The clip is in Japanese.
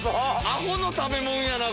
アホの食べ物やな